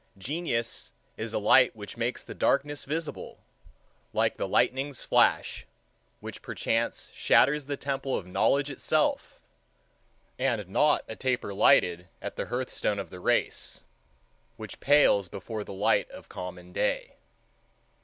Genius is a light which makes the darkness visible, like the lightning's flash, which perchance shatters the temple of knowledge itself—and not a taper lighted at the hearthstone of the race, which pales before the light of common day.